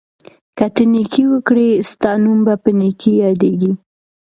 که ته نېکي وکړې، ستا نوم به په نېکۍ یادیږي.